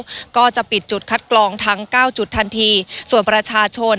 แล้วก็จะปิดจุดคัดกรองทั้งเก้าจุดทันทีส่วนประชาชน